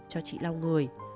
cho chị lau người